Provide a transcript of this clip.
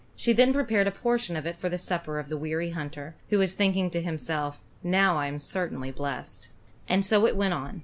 She then prepared a portion of it for the supper of the weary hunter, who was thinking to himself, "Now I am certainly blessed." And so it went on.